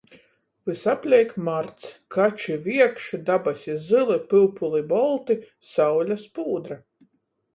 Vysapleik marts: kači viekš, dabasi zyli, pyupūli bolti, saule spūdra.